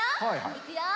いくよ。